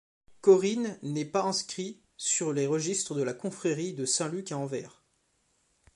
Coryn n'est pas inscrit sur les registres de la confrérie de Saint-Luc à Anvers.